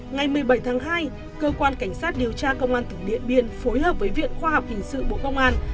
ngày một mươi bảy tháng hai cơ quan cảnh sát điều tra công an tỉnh điện biên phối hợp với viện khoa học hình sự bộ công an